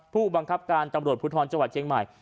พูดบังคับการณ์ตำรวจพุทธรณ์จังหวัดเชียงใหม่